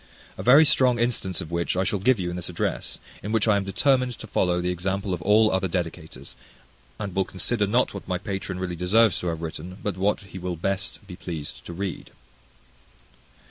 A very strong instance of which I shall give you in this address, in which I am determined to follow the example of all other dedicators, and will consider not what my patron really deserves to have written, but what he will be best pleased to read.